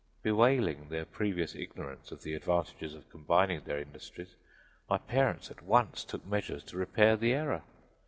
Bewailing their previous ignorance of the advantages of combining their industries, my parents at once took measures to repair the error.